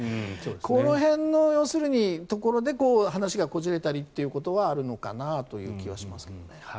この辺のところで話がこじれたりっていうことはあるのかなという気はしますけどね。